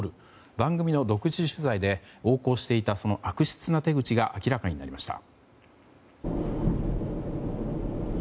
番組の独自取材で横行していた悪質な手口が明らかになりました。